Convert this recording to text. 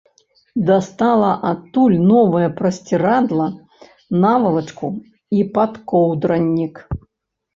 Дастала адтуль новае прасцірадла, навалачку і падкоўдранік.